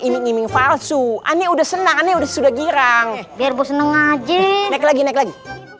iming iming palsu aneh udah seneng aneh udah sudah girang biarpun seneng aja naik lagi naik lagi